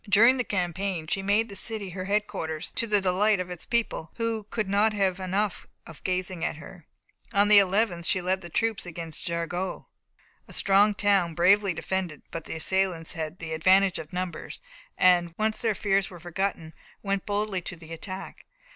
During the campaign she made the city her headquarters, to the delight of its people, who "could not have enough of gazing at her." On the 11th she led the troops against Jargeau, a strong town, bravely defended, but the assailants had the advantage of numbers, and, once their fears were forgotten, went boldly to the attack.